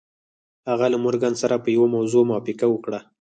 هغه له مورګان سره په یوه موضوع موافقه وکړه